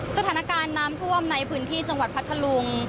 สถานการณ์น้ำท่วมในพื้นที่จังหวัดพัทธลุง